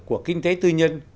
của kinh tế tư nhân